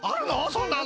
そんなの。